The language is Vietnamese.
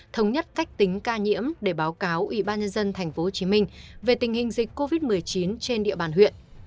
thống nhất cách tính ca nhiễm để báo cáo ủy ban nhân dân tp hcm về tình hình dịch covid một mươi chín trên địa bàn huyện